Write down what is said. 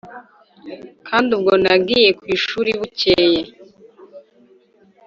kandi ubwo nagiye ku ishuri bukeye,